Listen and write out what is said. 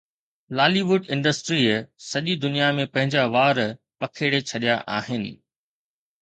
لالي wood انڊسٽريءَ سڄي دنيا ۾ پنهنجا وار پکيڙي ڇڏيا آهن